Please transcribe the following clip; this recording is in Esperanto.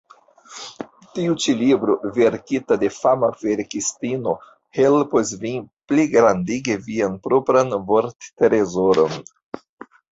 Tiu ĉi libro, verkita de fama verkistino, helpos vin pligrandigi vian propran vorttrezoron.